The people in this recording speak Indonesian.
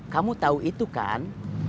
kamu tahu itu kan